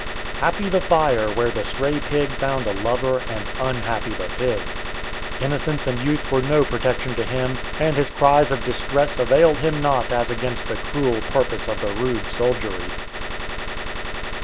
Happy the "fire" where the "stray" pig found a lover, and unhappy the pig! Innocence and youth were no protection to him, and his cries of distress availed him not as against the cruel purpose of the rude soldiery.